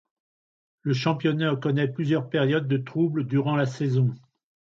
Le championnat connaît plusieurs périodes de troubles durant la saison.